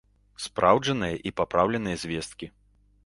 Спраўджаныя і папраўленыя звесткі!